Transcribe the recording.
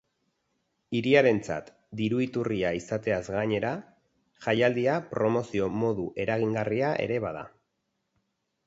Hiriarentzat diru-iturria izateaz gainera, jaialdia promozio modu eragingarria ere bada.